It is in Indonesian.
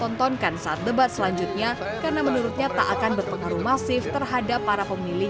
tontonkan saat debat selanjutnya karena menurutnya tak akan berpengaruh masif terhadap para pemilih